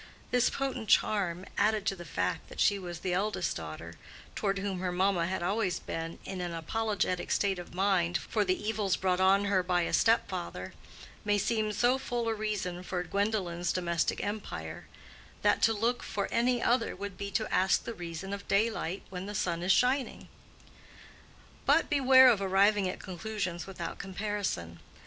This potent charm, added to the fact that she was the eldest daughter, toward whom her mamma had always been in an apologetic state of mind for the evils brought on her by a step father, may seem so full a reason for Gwendolen's domestic empire, that to look for any other would be to ask the reason of daylight when the sun is shining. But beware of arriving at conclusions without comparison.